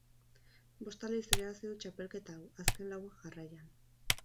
Bost aldiz irabazi du txapelketa hau, azken lauak jarraian.